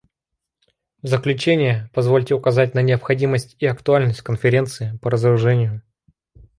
В заключение позвольте указать на необходимость и актуальность Конференции по разоружению.